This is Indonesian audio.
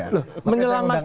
loh menyelamatkan itu